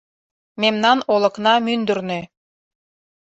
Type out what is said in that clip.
Мемнан олыкна мӱндырнӧ -